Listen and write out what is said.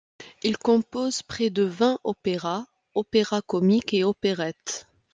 Il compose près de vingt opéras, opéras-comiques et opérettes.